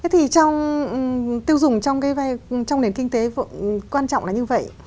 thì trong tiêu dùng trong nền kinh tế quan trọng là như vậy